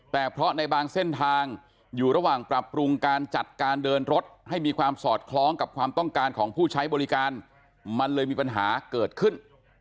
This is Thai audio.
แต่เพราะในบางเส้นทางอยู่ระหว่างปรับปรุงการจัดการเดินรถให้มีความสอดคล้องกับความต้องการของผู้ใช้บริการมันเลยมีปัญหาเกิดขึ้น